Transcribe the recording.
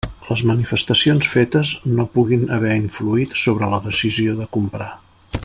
Les manifestacions fetes no puguin haver influït sobre la decisió de comprar.